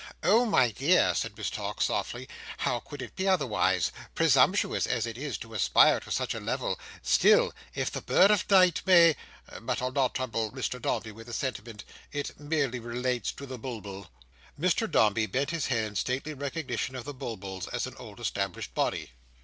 "Oh my dear!" said Miss Tox, softly, "how could it be otherwise? Presumptuous as it is to aspire to such a level; still, if the bird of night may—but I'll not trouble Mr Dombey with the sentiment. It merely relates to the Bulbul." Mr Dombey bent his head in stately recognition of the Bulbuls as an old established body.